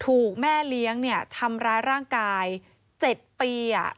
ถูกแม่เลี้ยงเนี่ยทำร้ายร่างกาย๗ปี